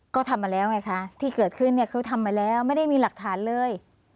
ก็ทำมาแล้วไงคะที่เกิดขึ้นเนี่ยเขาทำมาแล้วไม่ได้มีหลักฐานเลย